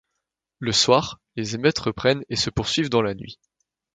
Le soir, les émeutes reprennent et se poursuivent dans la nuit.